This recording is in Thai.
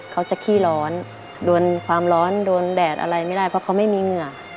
ขี้ร้อนโดนความร้อนโดนแดดอะไรไม่ได้เพราะเขาไม่มีเหงื่อ